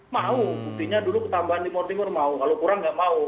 mau buktinya dulu ketambahan timur timur mau kalau kurang nggak mau